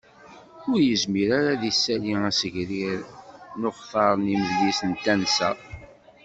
Ur yezmir ara ad d-isali azegrir n ukter n imedlis n tensa.